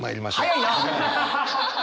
早いな！